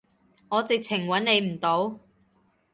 我直情揾你唔到